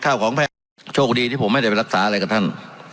ข้าวของแพ่งโชคดีที่ผมไม่ได้ไปรักษาอะไรกับท่าน